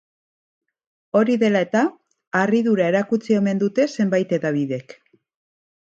Hori dela eta, harridura erakutsi omen dute zenbait hedabidek.